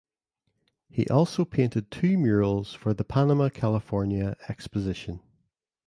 He also painted two murals for the Panama–California Exposition.